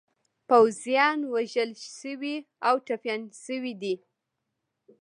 پوځیان وژل شوي او ټپیان شوي دي.